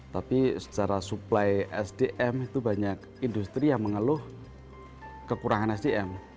tapi secara supply sdm itu banyak industri yang mengeluh kekurangan sdm